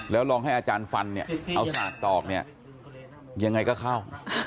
แล้วลองให้อาจารย์ฟันเอาสักตอกยังไงก็เข้า